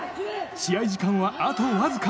試合時間はあとわずか。